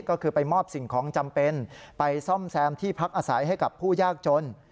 ก็คือไปมอบสิ่งของจำเป็นไปซ่อมแซมที่พักอาศัยให้กับผู้ยากจน